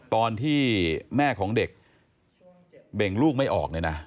ตอนที่แม่ของเด็กเบ่งลูกไม่ออกเนี่ยนะ